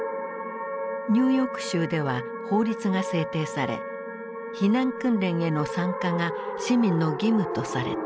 ニューヨーク州では法律が制定され避難訓練への参加が市民の義務とされた。